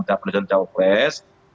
untuk mengantarkan pasangan